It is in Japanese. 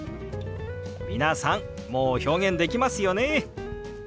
皆さんもう表現できますよね。